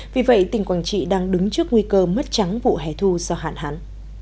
vì vậy tỉnh quảng trị đang đứng trước nguy cơ mất trắng vụ hẻ thu do hạn hán